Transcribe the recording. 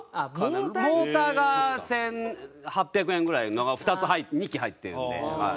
モーターが１８００円ぐらいのが２基入ってるんではい。